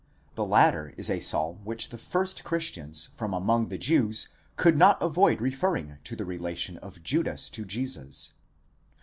The latter is a psalm which the first Christians from among the Jews could not avoid referring to the relation of Judas to Jesus.